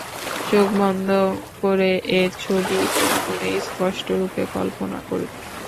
চোখ বন্ধ করে এর ছবি মনে মনে স্পষ্টরূপে কল্পনা করবে।